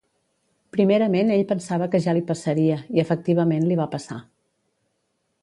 Primerament ell pensava que ja li passaria i efectivament li va passar.